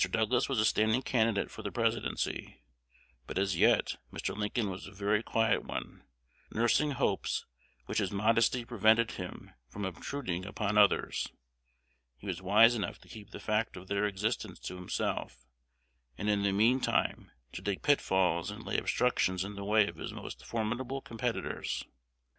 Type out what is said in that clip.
Douglas was a standing candidate for the Presidency; but as yet Mr. Lincoln was a very quiet one, nursing hopes which his modesty prevented him from obtruding upon others. He was wise enough to keep the fact of their existence to himself, and in the mean time to dig pitfalls and lay obstructions in the way of his most formidable competitors.